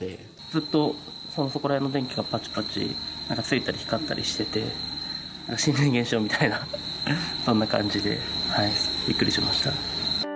ずっとそこら辺の電気がぱちぱち、ついたり光ったりしてて、心霊現象みたいな、そんな感じで、びっくりしました。